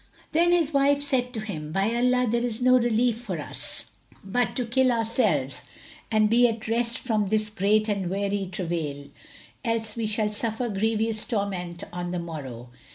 Then his wife said to him, "By Allah, there is no relief for us but to kill ourselves and be at rest from this great and weary travail; else we shall suffer grievous torment on the morrow."